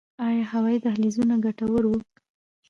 آیا هوایي دهلیزونه ګټور وو؟